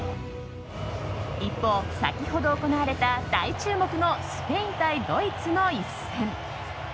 一方、先ほど行われた大注目のスペイン対ドイツの一戦。